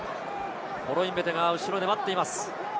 コロインベテが後ろで待っています。